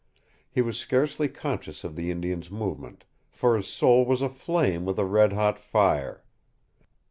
He was scarcely conscious of the Indian's movement, for his soul was aflame with a red hot fire.